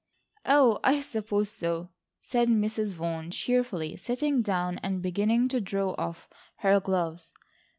"Oh, I suppose so," said Mrs. Vaughan cheerfully, sitting down and beginning to draw off her gloves.